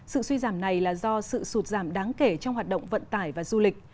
sự suy giảm này là do sự sụt giảm đáng kể trong hoạt động vận tải và du lịch